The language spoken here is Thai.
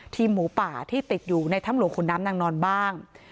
หมูป่าที่ติดอยู่ในถ้ำหลวงขุนน้ำนางนอนบ้าง